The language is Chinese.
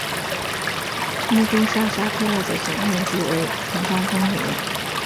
穆东上沙佩勒的总面积为平方公里。